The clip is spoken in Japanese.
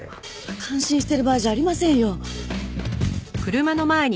感心してる場合じゃありませんよ。